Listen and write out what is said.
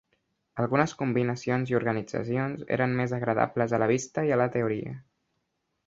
Algunes combinacions i organitzacions eren més agradables a la vista i a la teoria.